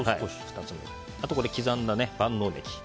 あとは刻んだ万能ネギ。